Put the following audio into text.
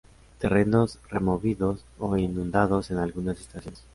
Terrenos removidos o inundados en algunas estaciones.